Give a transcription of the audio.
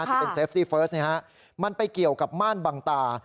ที่เป็นเซฟที่เฟิร์สเนี้ยฮะมันไปเกี่ยวกับมารบังตา